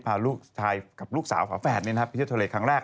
พาลูกชายกับลูกสาวฝาแฝดไปเที่ยวทะเลครั้งแรก